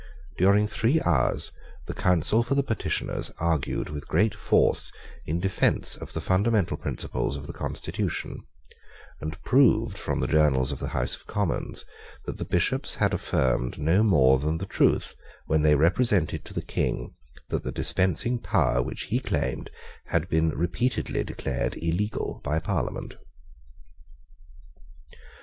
During three hours the counsel for the petitioners argued with great force in defence of the fundamental principles of the constitution, and proved from the journals of the House of Commons that the Bishops had affirmed no more than the truth when they represented to the King that the dispensing power which he claimed had been repeatedly declared illegal by Parliament.